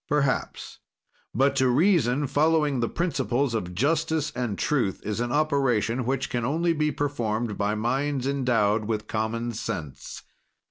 "Perhaps; but to reason, following the principles of justice and truth, is an operation which can only be performed by minds endowed with common sense.